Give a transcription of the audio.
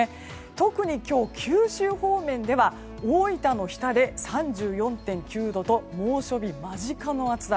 特に今日、九州方面では大分の日田で３４．９度と猛暑日間近の暑さ。